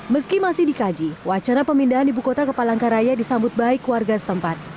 meski masih dikaji wacana pemindahan ibu kota ke palangkaraya disambut baik warga setempat